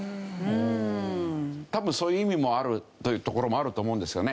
多分そういう意味もあるというところもあると思うんですよね。